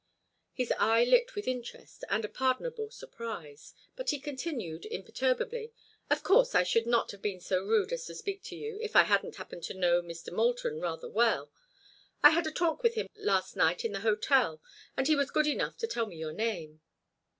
His eye lit with interest and a pardonable surprise. But he continued, imperturbably: "Of course, I should not have been so rude as to speak to you if I hadn't happened to know Mr. Moulton rather well. I had a talk with him last night in the hotel and he was good enough to tell me your name."